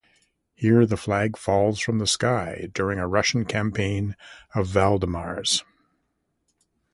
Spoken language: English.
Here, the flag falls from the sky during a Russian campaign of Valdemar's.